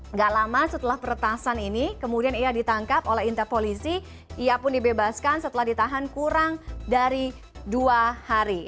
nggak lama setelah peretasan ini kemudian ia ditangkap oleh interpolisi ia pun dibebaskan setelah ditahan kurang dari dua hari